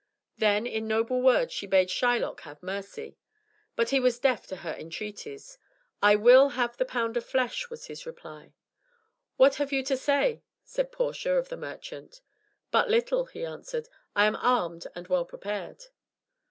Then in noble words she bade Shylock have mercy. But he was deaf to her entreaties. "I will have the pound of flesh," was his reply. "What have you to say?" asked Portia of the merchant. "But little," he answered; "I am armed and well prepared."